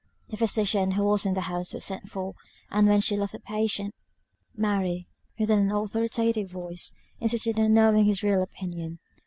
The physician, who was in the house, was sent for, and when he left the patient, Mary, with an authoritative voice, insisted on knowing his real opinion.